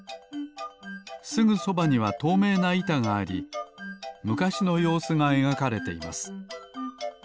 すぐそばにはとうめいないたがありむかしのようすがえがかれています。